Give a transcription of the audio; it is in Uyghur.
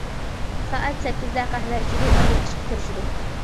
سائەت سەككىزدە قەھۋە ئىچىدۇ، ئاندىن ئىشقا كىرىشىدۇ.